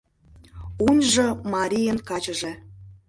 Уньжы марийын качыже